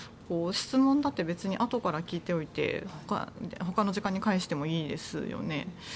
質問だってあとから聞いておいてほかの時間に返してもいいですよね。